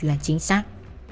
là chính xác